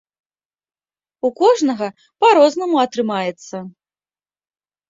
У кожнага па-рознаму атрымаецца.